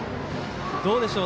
どうでしょう？